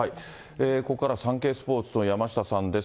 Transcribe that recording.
ここからはサンケイスポーツの山下さんです。